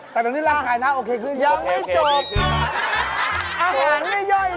แต่ตรงนี้ระหายนะโอเคคืออย่างไม่จบ